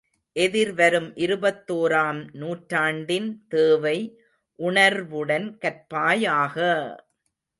எதிர் வரும் இருபத்தோராம் நூற்றாண்டின் தேவை உணர்வுடன் கற்பாயாக!